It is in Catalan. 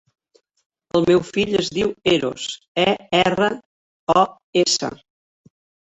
El meu fill es diu Eros: e, erra, o, essa.